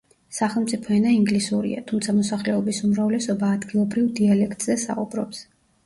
სახელმწიფო ენა ინგლისურია, თუმცა მოსახლეობის უმრავლესობა ადგილობრივ დიალექტზე საუბრობს.